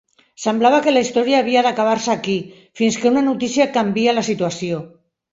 Semblava que la història havia d'acabar-se aquí, fins que una notícia canvia la situació.